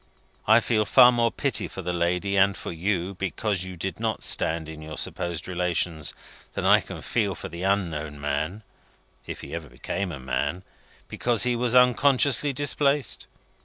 I feel far more pity for the lady and for you, because you did not stand in your supposed relations, than I can feel for the unknown man (if he ever became a man), because he was unconsciously displaced.